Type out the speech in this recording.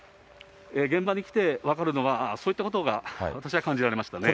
現場に来て分かるのは、そういったことが私は感じられましたね。